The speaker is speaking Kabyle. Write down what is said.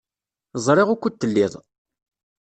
Ẓriɣ wukud telliḍ.